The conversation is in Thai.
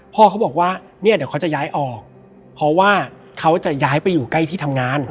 พ่อเขาบอกว่าเนี่ยเดี๋ยวเขาจะย้ายออกเพราะว่าเขาจะย้ายไปอยู่ใกล้ที่ทำงาน